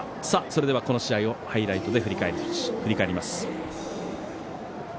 それでは、この試合をハイライトで振り返ります。